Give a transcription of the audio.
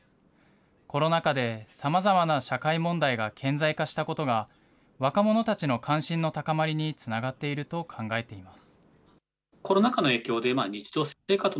コロナ禍でさまざまな社会問題が顕在化したことが、若者たちの関心の高まりにつながっていると考えています。